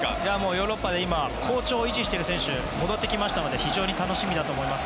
ヨーロッパで好調を維持している選手が戻ってきましたので非常に楽しみだと思います。